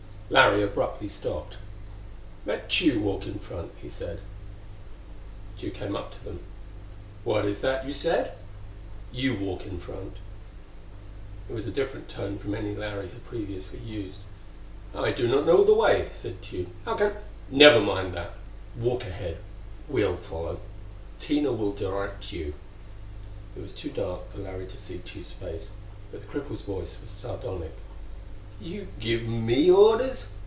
Larry abruptly stopped. "Let Tugh walk in front," he said. Tugh came up to them. "What is that you said?" "You walk in front." It was a different tone from any Larry had previously used. "I do not know the way," said Tugh. "How can " "Never mind that; walk ahead. We'll follow. Tina will direct you." It was too dark for Larry to see Tugh's face, but the cripple's voice was sardonic. "You give me orders?"